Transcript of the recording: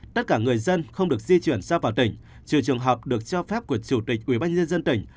tất cả người dân không được di chuyển ra vào tỉnh trừ trường hợp được cho phép của chủ tịch ubnd tỉnh